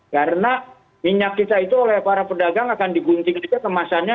karena minyak kita itu oleh para pedagang akan digunting kemasannya